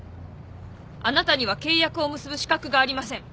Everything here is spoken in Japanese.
あなたには契約を結ぶ資格がありません。